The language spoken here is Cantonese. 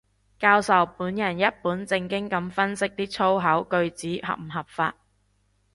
教授本人一本正經噉分析啲粗口句子合唔合句法